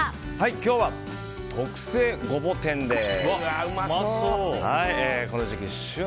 今日は特製ゴボ天です。